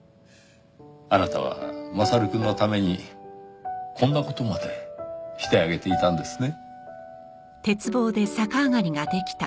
あなたは将くんのためにこんな事までしてあげていたんですね。